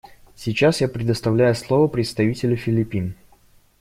Сейчас я предоставляю слово представителю Филиппин.